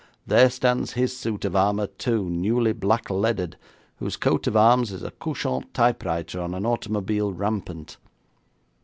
There stands his suit of armour, too, newly blackleaded, whose coat of arms is a couchant typewriter on an automobile rampant.'